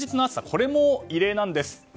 これも異例なんです。